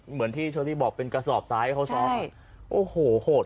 เหมือนที่เชอรี่บอกเป็นกระสอบซ้ายเขาซ้อนโอ้โหโหด